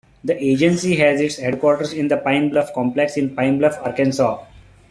The agency has its headquarters in the Pine Bluff Complex in Pine Bluff, Arkansas.